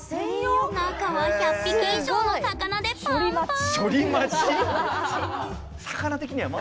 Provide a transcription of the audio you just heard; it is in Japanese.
中は１００匹以上の魚でパンパン！